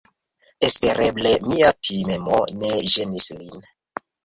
Espereble mia timemo ne ĝenis lin.